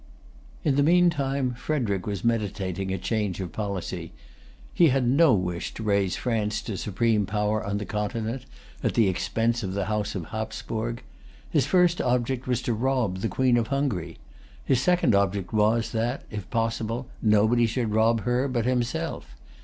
In the meantime, Frederic was meditating a change of policy. He had no wish to raise France to supreme power on the Continent, at the expense of the House of Hapsburg. His first object was to rob the Queen of Hungary. His second object was that, if possible, nobody should rob her but himself.